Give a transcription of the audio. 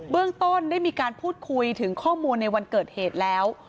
เรื่องต้นได้มีการพูดคุยถึงข้อมูลในวันเกิดเหตุแล้ว